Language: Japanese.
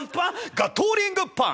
ガトリングパン！